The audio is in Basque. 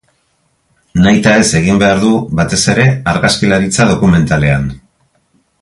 Nahitaez egin behar du, batez ere argazkilaritza dokumentalean.